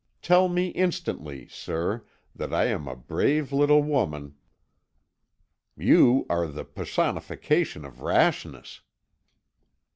Tell me instantly, sir, that I am a brave little woman." "You are the personification of rashness."